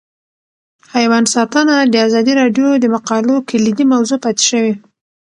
حیوان ساتنه د ازادي راډیو د مقالو کلیدي موضوع پاتې شوی.